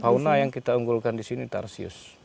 fauna yang kita unggulkan di sini tarsius